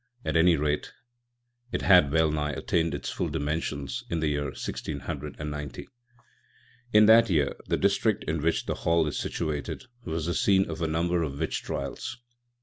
At any rate, it had well nigh attained its full dimensions in the year 1690. In that year the district in which the Hall is situated was the scene of a number of witch trials.